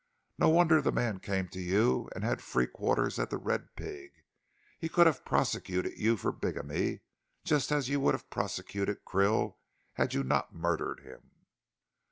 No wonder the man came to you and had free quarters at 'The Red Pig.' He could have prosecuted you for bigamy, just as you would have prosecuted Krill, had you not murdered him."